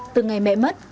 từ ngày mẹ mất